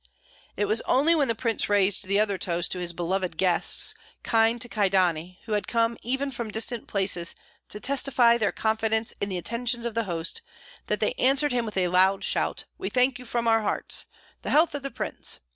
It was only when the prince raised the other toast to his "beloved guests" kind to Kyedani, who had come even from distant places to testify their confidence in the intentions of the host, that they answered him with a loud shout, "We thank you from our hearts!" "The health of the prince!"